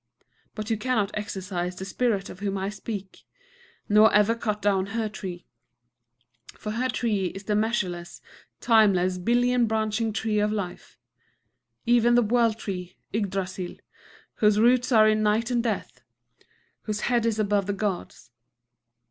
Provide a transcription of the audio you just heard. But you cannot exorcise the Spirit of whom I speak, nor ever cut down her tree. For her tree is the measureless, timeless, billion branching Tree of Life, even the World Tree, Yggdrasil, whose roots are in Night and Death, whose head is above the Gods.